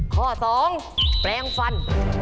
ข้อ๒แปลงฟัน